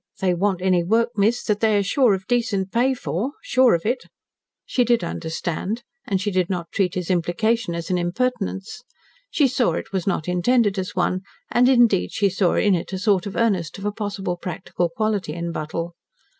"They want any work, miss that they are sure of decent pay for sure of it." She did understand. And she did not treat his implication as an impertinence. She knew it was not intended as one, and, indeed, she saw in it a sort of earnest of a possible practical quality in Buttle.